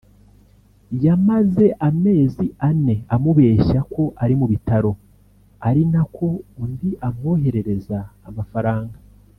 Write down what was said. yamaze amezi ane amubeshya ko ari mu bitaro ari na ko undi amwoherereza amafaranga